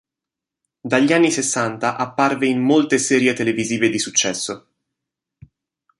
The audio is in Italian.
Dagli anni Sessanta apparve in molte serie televisive di successo.